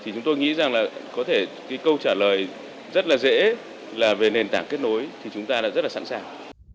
chúng tôi nghĩ rằng có thể câu trả lời rất dễ là về nền tảng kết nối thì chúng ta rất sẵn sàng